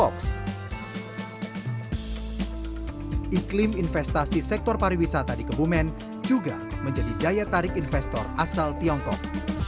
jepara juga menjadi daya tarik investor asal tiongkok